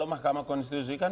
mahkamah konstitusi kan